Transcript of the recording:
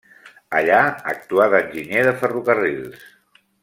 Allà actuà d'enginyer de ferrocarrils.